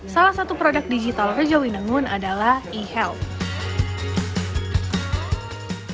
salah satu produk digital rejowinangun adalah e health